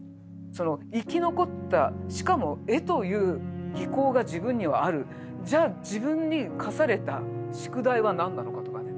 生き残ったしかも絵という技巧が自分にはあるじゃあ自分に課された宿題は何なのかとかね。